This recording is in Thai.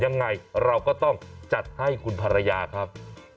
ยังไงเราก็ต้องจัดให้คุณภรรยาครับ